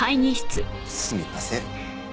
すみません。